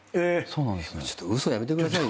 ちょっと嘘やめてください。